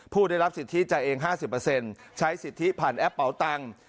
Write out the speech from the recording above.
ได้รับสิทธิจ่ายเอง๕๐ใช้สิทธิผ่านแอปเป๋าตังค์